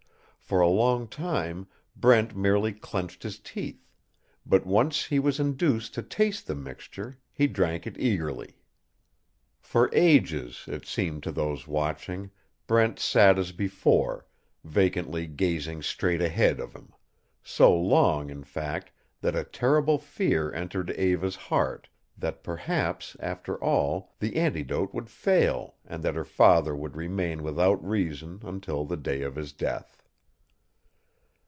For a long time Brent merely clenched his teeth, but, once he was induced to taste the mixture, he drank it eagerly. For ages, it seemed to those watching, Brent sat as before, vacantly gazing straight ahead of him so long, in fact, that a terrible fear entered Eva's heart that, perhaps, after all, the antidote would fail and that her father would remain without reason until the day of his death.